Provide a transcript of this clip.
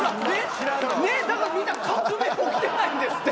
ねっだからみんな革命起きてないんですって！